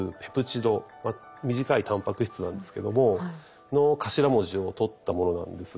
短いたんぱく質なんですけども。の頭文字を取ったものなんです。